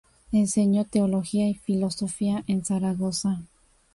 Enseñó teología y filosofía en Zaragoza.